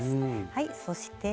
はいそして糸。